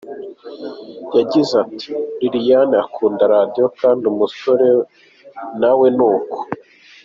Yagize ati “Lilian akunda Radio kandi umusore na we ni uko.